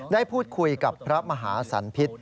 ได้พูดคุยกับพระมหาสันพิษ